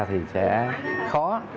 thì sẽ khó